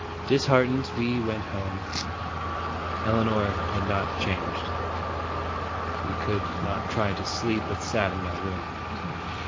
Disheartened, we went home. Elinor had not changed. We could not try to sleep, but sat in my room.